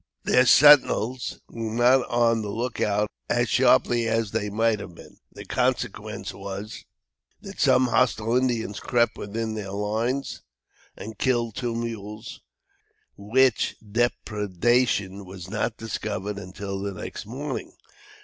Their sentinels were not on the look out as sharply as they might have been. The consequence was, that some hostile Indians crept within their lines and killed two mules, which depredation was not discovered until the next morning.